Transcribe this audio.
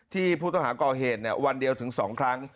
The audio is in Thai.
ที่ผู้ต้องหาก่อเหตุเนี่ยวันเดียวหรือสองครั้ง